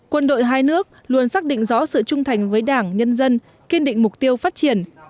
quân đội hai nước luôn xác định rõ sự trung thành với đảng nhân dân kiên định mục tiêu phát triển